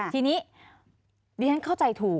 ทีนี้ดิฉันเข้าใจถูก